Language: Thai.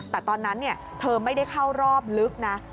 แต่ตอนนั้นเธอไม่ได้เข้ารอบลึกนะ